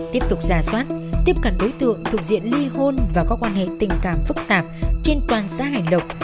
tiếp tục giả soát tiếp cận đối tượng thuộc diện ly hôn và có quan hệ tình cảm phức tạp trên toàn xã hành lộc